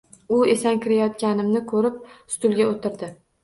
U esankirayotganimni ko`rib, stulga o`tirdi